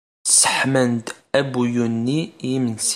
Sseḥman-d abuyun-nni i yimensi.